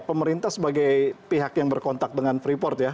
pemerintah sebagai pihak yang berkontak dengan freeport ya